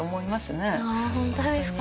あ本当ですか。